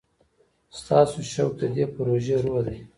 ستاسو شوق د دې پروژې روح دی.